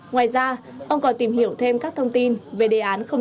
ngoài ra ông còn tìm hiểu thêm các thông tin về định danh xã